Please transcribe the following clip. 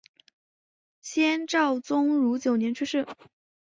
先赵宗儒九年去世。